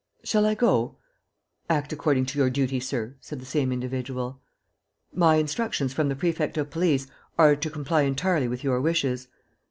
"Shall I go?" "Act according to your duty, sir," said the same individual. "My instructions from the prefect of police are to comply entirely with your wishes."